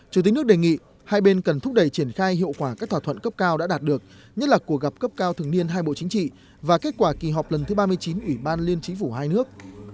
chủ tịch nước đề nghị hai bên cần thúc đẩy triển khai hiệu quả các thỏa thuận cấp cao đã đạt được nhất là cuộc gặp cấp cao thường niên hai bộ chính trị và kết quả kỳ họp lần thứ ba mươi chín ủy ban liên chính phủ hai nước